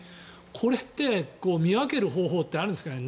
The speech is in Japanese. これって見分ける方法ってあるんですかね。